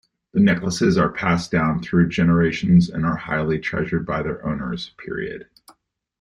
The necklaces are passed down through generations and are highly treasured by their owners.